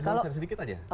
boleh saya sedikit aja